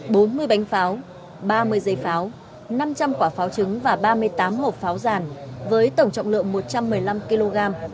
bốn mươi bánh pháo ba mươi giấy pháo năm trăm linh quả pháo trứng và ba mươi tám hộp pháo giàn với tổng trọng lượng một trăm một mươi năm kg